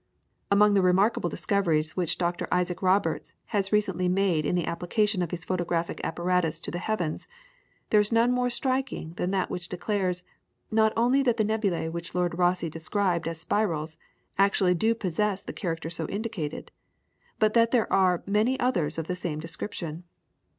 Among the remarkable discoveries which Dr. Isaac Roberts has recently made in the application of his photographic apparatus to the heavens, there is none more striking than that which declares, not only that the nebulae which Lord Rosse described as spirals, actually do possess the character so indicated, but that there are many others of the same description.